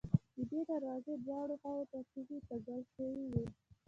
د دې دروازې دواړو خواوو ته تیږې توږل شوې وې.